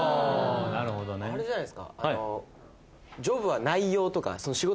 あれじゃないですか。